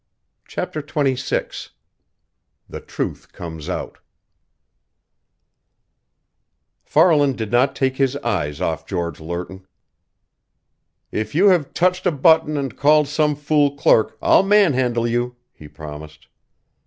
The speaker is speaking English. CHAPTER XXVI THE TRUTH COMES OUT Farland did not take his eyes off George Lerton. "If you have touched a button and called some fool clerk, I'll manhandle you!" he promised.